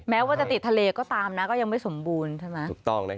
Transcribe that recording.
แม้ว่าจะติดทะเลก็ตามยังไม่สมบูรณ์